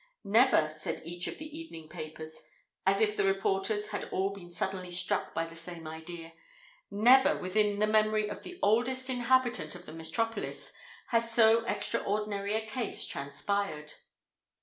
"Never," said each of the evening papers—as if the reporters had all been suddenly struck by the same idea,—"never, within the memory of the oldest inhabitant of the metropolis, has so extraordinary a case transpired."